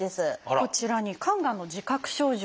こちらに肝がんの自覚症状